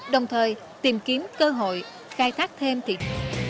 đồng thời tìm kiếm cơ hội khai thác thêm thiệt